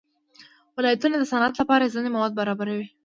ولایتونه د صنعت لپاره ځینې مواد برابروي.